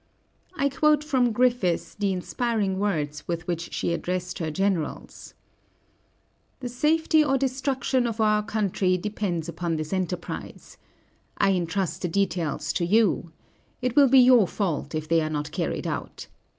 I quote from Griffis the inspiring words with which she addressed her generals: "The safety or destruction of our country depends upon this enterprise. I intrust the details to you. It will be your fault if they are not carried out.